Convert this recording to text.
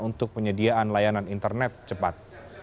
untuk penyediaan layanan internet cepat